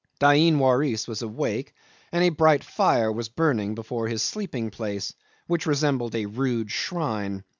Dain Waris was awake, and a bright fire was burning before his sleeping place, which resembled a rude shrine.